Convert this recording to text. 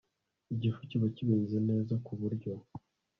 igifu kiba kimeze neza ku buryo